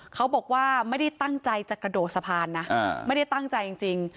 เขาบอกว่าไม่ได้ตั้งใจจะกระโดดสะพานนะไม่ได้ตั้งใจจริง